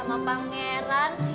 kita berangkat sekarang ya